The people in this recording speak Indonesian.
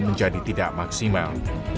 menjadi tidak maksimal